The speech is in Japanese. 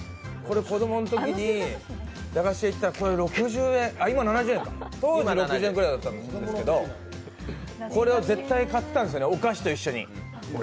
子供のときに駄菓子屋行ったら、今は７０円、当時６０円くらいだったんですけど、これを絶対に買ってたんですよね、お菓子と一緒に。